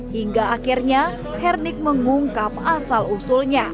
hingga akhirnya hernik mengungkap asal usulnya